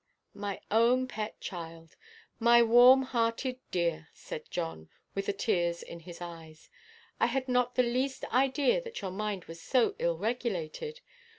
"My own pet child, my warm–hearted dear," said John, with the tears in his eyes; "I had not the least idea that your mind was so ill–regulated.